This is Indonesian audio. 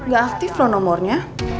gak aktif lho nomornya